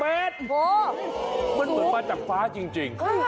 มันเหมือนมาจากฟ้าจริง